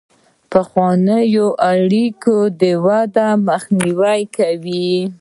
پخوانۍ اړیکې د ودې مخنیوی کوي.